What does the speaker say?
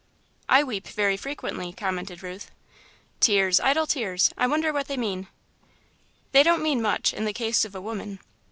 "I weep very frequently," commented Ruth. "'Tears, idle tears I wonder what they mean.'" "They don't mean much, in the case of a woman."